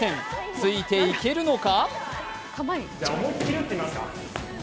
ついていけるのか？